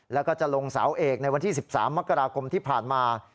แล้วก็จะลงสาวเอกในวันที่๑๓มกราคมที่ผ่านมา